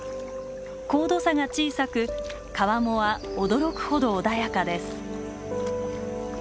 高度差が小さく川面は驚くほど穏やかです。